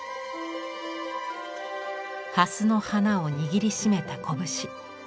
ハスの花を握りしめた拳。